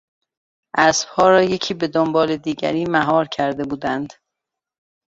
اسبها را یکی به دنبال دیگری مهار کرده بودند.